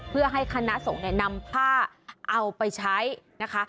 เพื่อให้คณะสงฆ์เนี่ยนำผ้าเอาไปใช้นะคะ